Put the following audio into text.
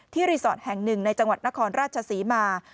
ที่รีสอร์ตแห่ง๑ในจังหวัดนครราชศีมา